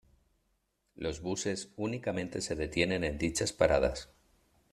Los buses únicamente se detienen en dichas paradas.